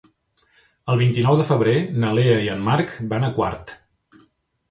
El vint-i-nou de febrer na Lea i en Marc van a Quart.